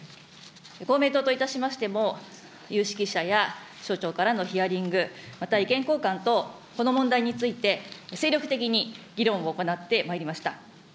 公明党といたしましても、有識者や省庁からのヒアリング、また意見交換等、この問題について精力的に議論を行ってまいりました。